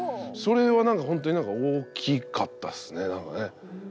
それはなんか本当に大きかったっすねなんかね。